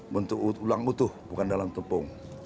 bentuk ulang utuh bukan dalam tepung